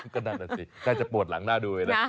ก็นั่นน่ะสิน่าจะปวดหลังหน้าดูเลยนะ